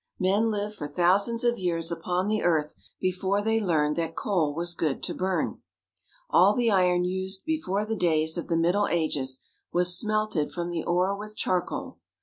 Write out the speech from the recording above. Men Hved for thousands of years upon the earth before they learned that coal was good to burn. All the iron used before the days of the middle ages was smelted from the ore with charcoal.